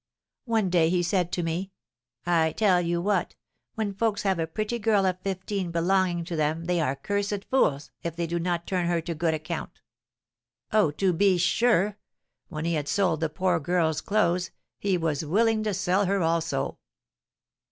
One day he said to me, 'I tell you what, when folks have a pretty girl of fifteen belonging to them, they are cursed fools if they do not turn her to good account.'" "Oh, to be sure! When he had sold the poor girl's clothes, he was willing to sell her also."